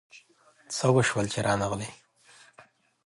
څه وشول چي رانغلې ؟